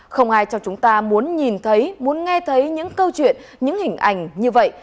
không ai cho chúng ta muốn nhìn thấy muốn nghe thấy những câu chuyện những hình ảnh như vậy